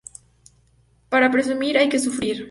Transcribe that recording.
Para presumir hay que sufrir